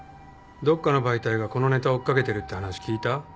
どっかの媒体がこのネタ追っ掛けてるって話聞いた？